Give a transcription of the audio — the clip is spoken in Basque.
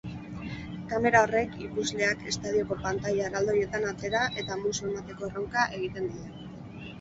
Kamera horrek ikusleak estadioko pantaila erraldoietan atera eta musu emateko erronka egiten die.